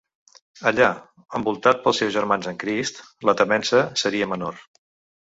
Allà, envoltat pels seus germans en Crist, la temença seria menor.